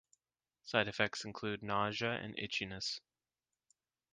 Side effects include nausea and itchiness.